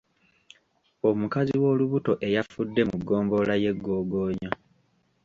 Omukazi w’olubuto eyafudde mu ggombolola y’e Gogonyo.